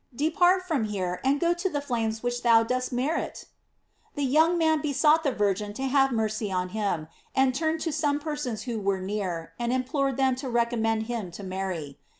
Depart from here and go to the flames which thou dost merit." The young man besought the Virgin to have mercy on him, and then turned to some persons who were near, and implored them to recommend him to Mary.